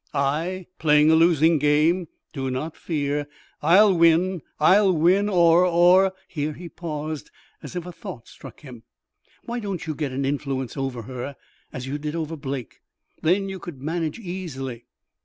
"I playing a losing game? Do not fear. I'll win, I'll win, or or " Here he paused, as if a thought struck him. "Why don't you get an influence over her, as you did over Blake? Then you could manage easily."